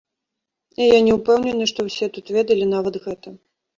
І я не ўпэўнены, што ўсе тут ведалі нават гэта.